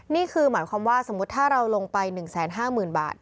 นี่คือหมายความว่าสมมุติถ้าเราลงไป๑๕๐๐๐บาท